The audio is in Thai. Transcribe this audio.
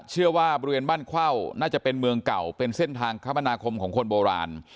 เชื่อว่าบริเวณบ้านเข้าน่าจะเป็นเมืองเก่าเป็นเส้นทางคมนาคมของคนโบราณ